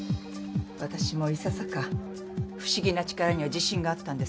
私もいささか不思議な力には自信があったんですけど